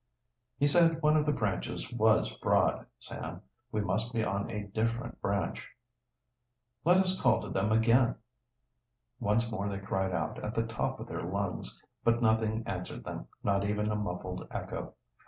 "He said one of the branches was broad, Sam. We must be on a different branch." "Let us call to them again." Once more they cried out, at the top of their lungs. But nothing answered them, not even a muffled echo.